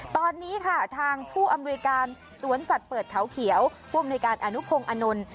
ตอนนี้ค่ะทางผู้อำนวยการสวนสัตว์เปิดเขาเขียวผู้อำนวยการอนุพงศ์อนนท์